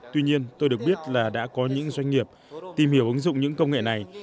tuy nhiên tôi được biết là đã có những doanh nghiệp tìm hiểu ứng dụng những công nghệ này